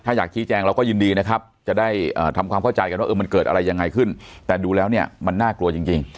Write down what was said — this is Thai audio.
ถ้าอยากชี้แจงเราก็ยินดีนะครับจะได้ทำความเข้าใจกันว่ามันเกิดอะไรยังไงขึ้นแต่ดูแล้วเนี่ยมันน่ากลัวจริง